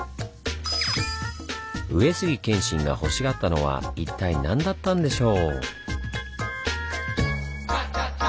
上杉謙信がほしがったのは一体何だったんでしょう？